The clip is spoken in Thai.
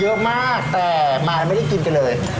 เยอะมากแต่มายังไม่ได้กินกันเลย